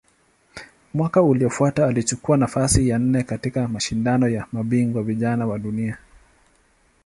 Mwaka uliofuata alichukua nafasi ya nne katika Mashindano ya Mabingwa Vijana wa Dunia.